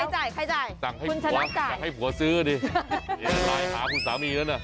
จ่ายใครจ่ายสั่งให้ผัวสั่งให้ผัวซื้อดิเดี๋ยวไลน์หาคุณสามีแล้วนะ